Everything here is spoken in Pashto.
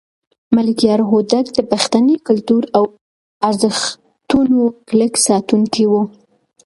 ملکیار هوتک د پښتني کلتور او ارزښتونو کلک ساتونکی و.